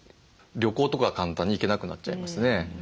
旅行とか簡単に行けなくなっちゃいますね。